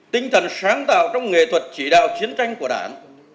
tinh thần sáng tạo trong nghệ thuật chỉ đạo chiến tranh của đảng